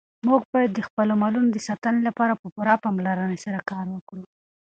موږ باید د خپلو مالونو د ساتنې لپاره په پوره پاملرنې سره کار وکړو.